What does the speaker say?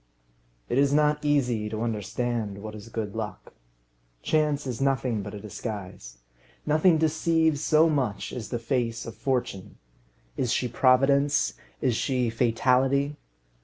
It is not easy to understand what is good luck. Chance is nothing but a disguise. Nothing deceives so much as the face of fortune. Is she Providence? Is she Fatality?